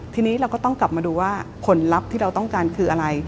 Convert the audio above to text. ทีนี้เราก็ต้องกลับมาดูว่าผลลัพธ์ที่เราต้องการคืออะไร